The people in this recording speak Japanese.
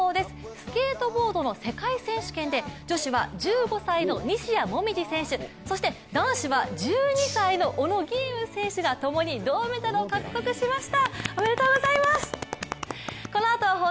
スケートボードの世界選手権で女子は１５歳の西矢椛選手、そして男子は１２歳の小野寺吟雲選手がともに、銅メダルを獲得しました。